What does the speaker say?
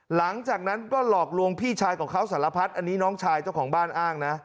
หลังจากนั้นก็หลอกลวงพี่ชายของเขาสารพัดอันนี้น้องชายเจ้าของบ้านอ้างนะ